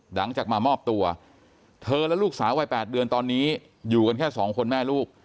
หลังจากมามอบตัวเธอและลูกสาววัย๘เดือนตอนนี้อยู่กันแค่สองคนแม่ลูก